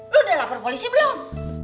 lu deh lapor polisi belum